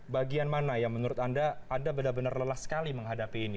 bagian mana yang menurut anda anda benar benar lelah sekali menghadapi ini